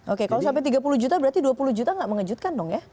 oke kalau sampai tiga puluh juta berarti dua puluh juta nggak mengejutkan dong ya